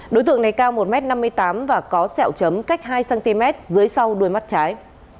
đối tượng này cao một m năm mươi tám và có sẹo chấm cách hai cm dưới sau đuôi mắt trái